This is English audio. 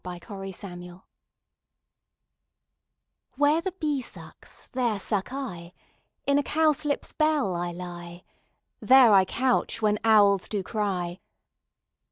Fairy Land iv WHERE the bee sucks, there suck I: In a cowslip's bell I lie; There I couch when owls do cry.